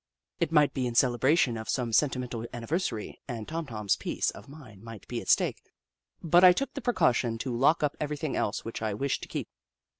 It might be in celebration of some sentimental anniversary, and Tom Tom's peace of mind might be at stake ; but I took the pre caution to lock up everything else which I wished to keep.